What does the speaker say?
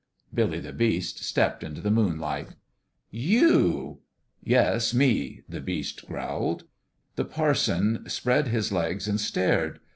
Billy the Beast stepped into the moonlight. " You !"" Yes, me !" the Beast growled. The parson spread his legs and stared.